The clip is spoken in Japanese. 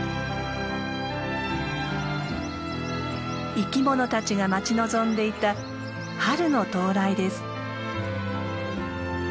生きものたちが待ち望んでいた春の到来です。